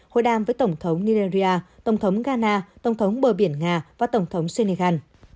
hội đàm với tổng thống nigeria tổng thống ghana tổng thống bờ biển nga và tổng thống senegal